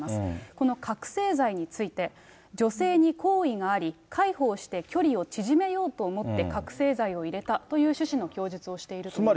この覚醒剤について、女性に好意があり、介抱して距離を縮めようと思って覚醒剤を入れたという趣旨の供述をしているということです。